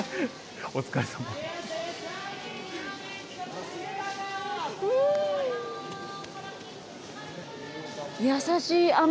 お疲れさま。